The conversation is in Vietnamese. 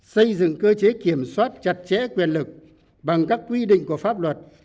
xây dựng cơ chế kiểm soát chặt chẽ quyền lực bằng các quy định của pháp luật